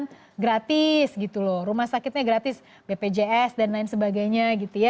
yang gratis gitu loh rumah sakitnya gratis bpjs dan lain sebagainya gitu ya